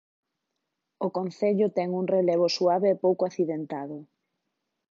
O concello ten un relevo suave e pouco accidentado.